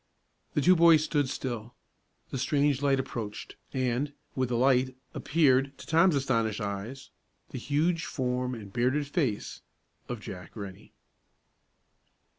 The two boys stood still; the strange light approached, and, with the light, appeared, to Tom's astonished eyes, the huge form and bearded face of Jack Rennie.